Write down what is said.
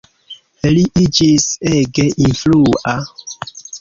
Li iĝis ege influa.